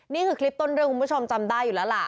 นี่คือคลิปต้นเรื่องคุณผู้ชมจำได้อยู่แล้วล่ะ